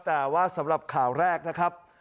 แต่ว่าสำหรับข่าวแรกนะครับ